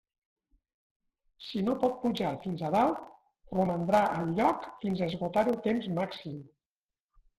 Si no pot pujar fins a dalt, romandrà al lloc fins a esgotar el temps màxim.